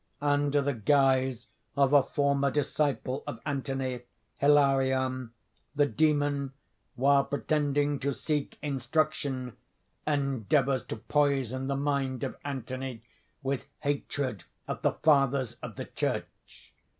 Under the guise of a former disciple of Anthony, Hilarion, the demon, while pretending to seek instruction, endeavours to poison the mind of Anthony with hatred of the fathers of the church.